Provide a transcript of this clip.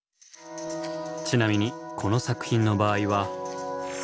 ちなみにこの作品の場合は。